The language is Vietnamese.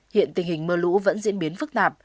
hiện tình hình mưa lũ vẫn diễn biến phức tạp